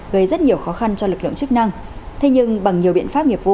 gây rất nhiều khó khăn cho lực lượng chức năng